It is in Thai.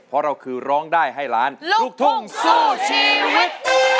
เพราะเราคือร้องได้ให้ล้านลูกทุ่งสู้ชีวิต